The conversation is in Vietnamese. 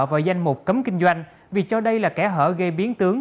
vào danh mục cấm kinh doanh vì cho đây là kẻ hở gây biến tướng